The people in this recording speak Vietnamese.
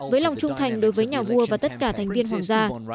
với lòng trung thành đối với nhà vua và tất cả thành viên hoàng gia